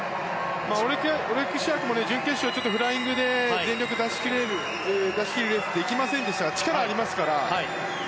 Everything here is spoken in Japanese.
オレクシアクも準決勝、フライングで全力を出し切ることができませんでしたが力はありますから。